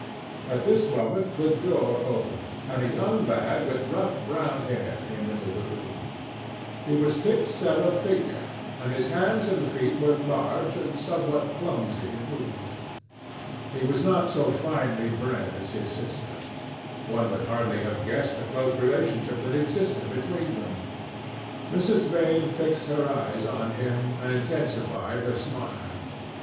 At this moment, the door opened and a young lad with rough brown hair came into the room. He was thick set of figure, and his hands and feet were large and somewhat clumsy in movement. He was not so finely bred as his sister. One would hardly have guessed the close relationship that existed between them. Mrs. Vane fixed her eyes on him and intensified her smile.